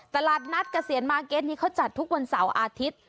ตลาดนัดเกษียณมาร์เก็ตนี้เขาจัดทุกวันเสาร์อาทิตย์